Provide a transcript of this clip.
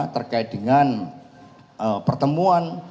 terkait dengan pertemuan